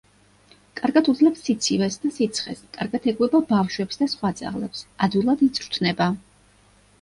კარგად უძლებს სიცივეს და სიცხეს, კარგად ეგუება ბავშვებს და სხვა ძაღლებს, ადვილად იწვრთნება.